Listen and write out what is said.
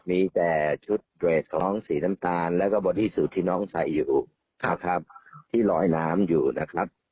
มีแต่ชุดเรทของสีน้ำตาลแล้วก็บอดี้สูตรที่น้องใส่อยู่นะครับที่ลอยน้ำอยู่นะครับ